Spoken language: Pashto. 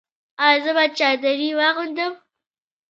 ایا زه باید چادري واغوندم؟